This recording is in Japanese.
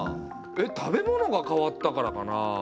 えっ食べ物が変わったからかな？